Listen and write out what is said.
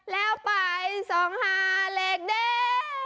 แล้วไปสองหาเล็กแดน